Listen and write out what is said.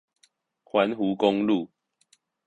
環湖公路